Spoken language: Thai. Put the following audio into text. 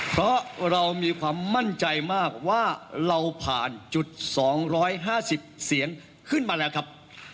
เพราะเรามีความมั่นใจมากว่าเราผ่านจุด๒๕๐เสียงขึ้นมาแล้วครับ